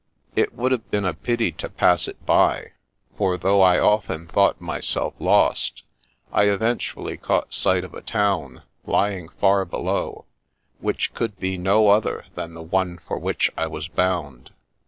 It would have been a pity to pass it by, for though I often thought myself lost, I eventually caught sight of a town, lying far below, which could be no other than the one for which I was bound.